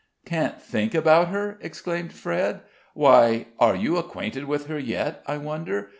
"Can't think about her!" exclaimed Fred; "why, are you acquainted with her yet, I wonder?